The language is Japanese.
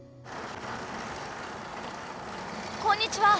こんにちは。